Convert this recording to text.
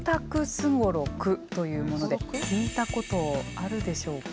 すごろくというもので聞いたことあるでしょうか？